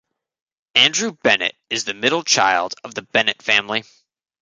Andrew Bennett is the middle child of the Bennett Family.